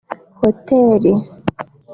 hoteli